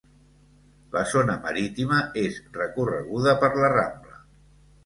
La zona marítima és recorreguda per La Rambla.